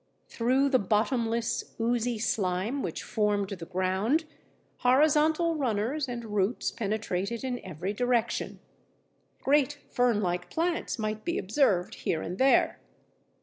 Through the bottomless oozy slime which formed the ground, horizontal runners and roots penetrated in every direction. Great fern like plants might be observed here and there.